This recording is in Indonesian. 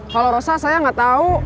kalau rosa saya gak tau